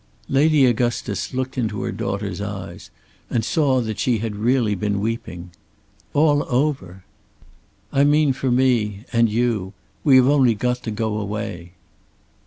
Lady Augustus looked into her daughter's eyes and saw that she had really been weeping. "All over!" "I mean for me, and you. We have only got to go away."